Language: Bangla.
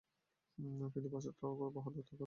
কিন্তু বাসায় তো কত বাহাদুর থাকো তুমি!